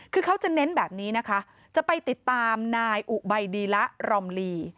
คือเขาจะเน้นแบบนี้นะคะจะไปติดตามนายอุบัยดีละรอมลี